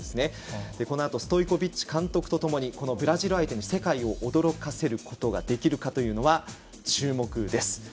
このあとストイコビッチ監督とともにブラジル相手に世界を驚かせることができるかというのは注目です。